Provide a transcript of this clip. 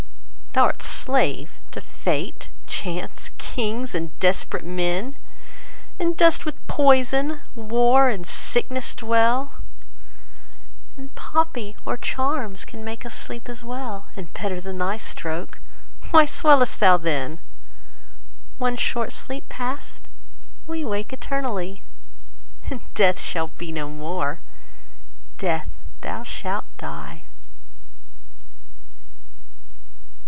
Thou'rt slave to fate, chance, kings, and desperate men, And dost with poison, war, and sickness dwell; 10 And poppy or charms can make us sleep as well And better than thy stroke. Why swell'st thou then? One short sleep past, we wake eternally, And Death shall be no more: Death, thou shalt die!